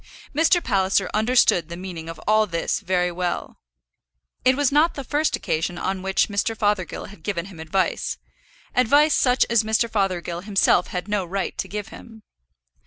Mr. Palliser understood the meaning of all this very well. It was not the first occasion on which Mr. Fothergill had given him advice, advice such as Mr. Fothergill himself had no right to give him.